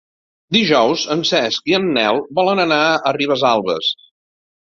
Dijous en Cesc i en Nel volen anar a Ribesalbes.